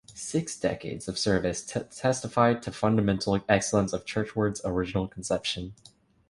Six decades of service testify to the fundamental excellence of Churchward's original conception.